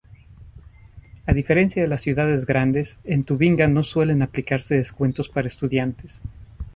A diferencia de las ciudades grandes, en Tubinga no suelen aplicarse descuentos para estudiantes.